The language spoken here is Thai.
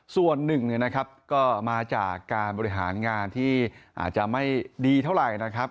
ส่วนหนึ่งเนี่ยนะครับก็มาจากการบริหารงานที่อาจจะไม่ดีเท่าไหร่นะครับ